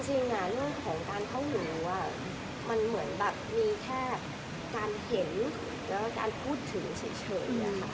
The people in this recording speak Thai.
เพราะฉะนั้นเรื่องของการเข้าหิวมันเหมือนแบบมีแค่การเห็นและการพูดถึงเฉย